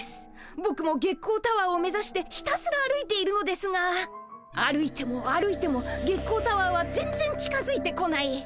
ぼくも月光タワーを目指してひたすら歩いているのですが歩いても歩いても月光タワーは全然近づいてこない。